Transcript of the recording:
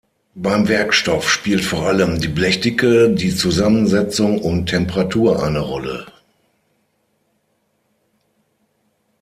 Beim Werkstoff spielt vor allem die Blechdicke, die Zusammensetzung und Temperatur eine Rolle.